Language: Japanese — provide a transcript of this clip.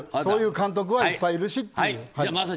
そういう監督はいっぱいいるしって。